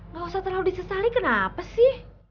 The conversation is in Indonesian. gak usah terlalu disesali kenapa sih